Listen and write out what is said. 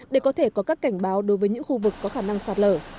để có thể có các cảnh báo đối với những khu vực có khả năng sạt lở